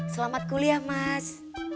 selamat kuliah mas